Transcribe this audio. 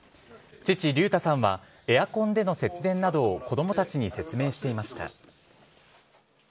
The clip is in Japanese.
父、りゅうたさんは、エアコンでの節電などを子どもたちに説明していました。